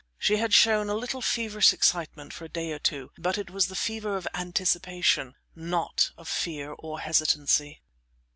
She had shown a little feverish excitement for a day or two, but it was the fever of anticipation, not of fear or hesitancy.